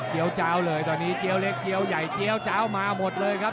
เจี๊ยวเจ้าเลยตอนนี้เจี๊ยวเล็กเจี๊ยวใหญ่เจี๊ยวเจี๊ยวเจี๊ยวมาหมดเลยครับ